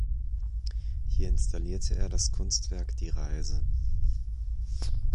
Hier installierte er das Kunstwerk „Die Reise“.